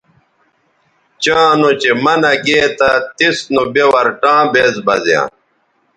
چاں نوچہء منع گے تھا تس نوبے ورٹاں بیز بزیاں